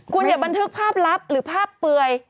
คุณอย่าบันทึกภาพลับหรือภาพเปลือย